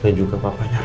dan juga papanya ren